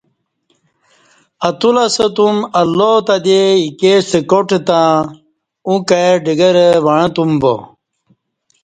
اتولسہ تم اللہ تہ دےایکےستہ کاٹ تہ اوں کئ ڈگرہ وعں تم با